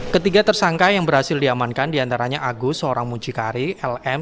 ketiga tersangka yang berhasil diamankan diantaranya agus seorang mucikari lm